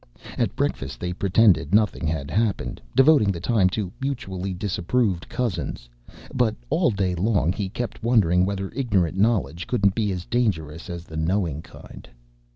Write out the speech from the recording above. At breakfast they pretended nothing had happened, devoting the time to mutually disapproved cousins, but all day long he kept wondering whether ignorant knowledge couldn't be as dangerous as the knowing kind.